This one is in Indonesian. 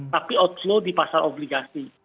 tapi outflow di pasar obligasi